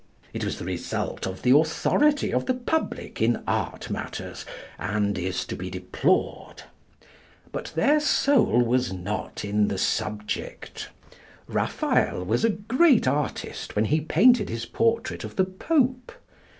It was the result of the authority of the public in art matters, and is to be deplored. But their soul was not in the subject. Raphael was a great artist when he painted his portrait of the Pope.